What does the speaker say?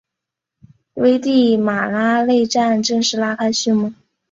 危地马拉内战正式拉开序幕。